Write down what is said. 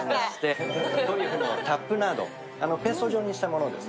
トリュフをペースト状にしたものです。